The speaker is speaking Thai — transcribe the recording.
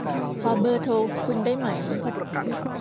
ขอเบอร์โทรคุณได้ไหม